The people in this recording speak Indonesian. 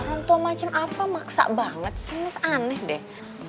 untung macem apa maksa banget sih mas aneh deh